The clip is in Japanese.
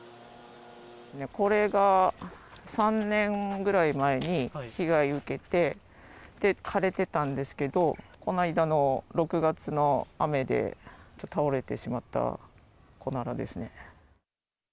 これが３年ぐらい前に被害を受けて、枯れてたんですけど、この間の６月の雨で倒れてしまったコナラですね。